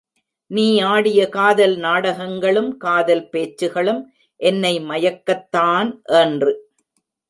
நீ ஆடிய காதல் நாடகங்களும் காதல் பேச்சுக்களும் என்னை மயக்கத்தான் என்று.